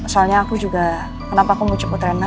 soalnya aku juga kenapa aku mau cepet rena